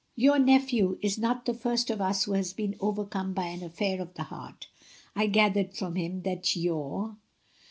Your nephew is not the first of us who has been overcome by an affair of the heart. I gathered from him that your